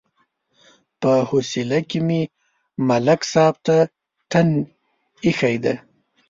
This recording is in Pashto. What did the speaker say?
په حوصله کې مې ملک صاحب ته تن ایښی دی.